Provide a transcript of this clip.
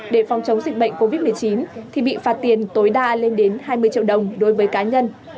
để phòng chống dịch bệnh covid một mươi chín thì bị phạt tiền tối đa lên đến hai mươi triệu đồng đối với cá nhân